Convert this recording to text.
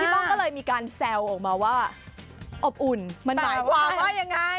บ้างก็เลยมีการแซวออกมาว่าอบอุ่นมันหมายความว่ายังไง